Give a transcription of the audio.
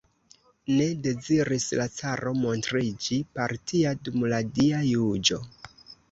Ne deziris la caro montriĝi partia dum la Dia juĝo.